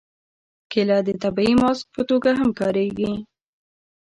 کېله د طبیعي ماسک په توګه هم کارېږي.